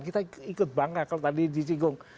kita ikut bangga kalau tadi disinggung